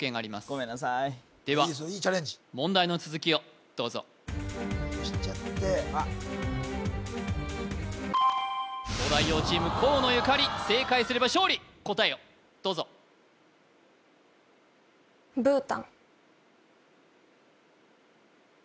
ごめんなさいいいチャレンジでは問題の続きをどうぞ東大王チーム河野ゆかり正解すれば勝利答えをどうぞお見事！